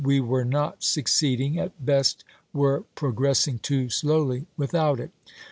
We were not succeeding — at best were pro gressing too slowly — without it.